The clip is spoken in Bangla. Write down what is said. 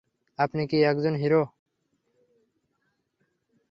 আপনি কি একজন হিরো?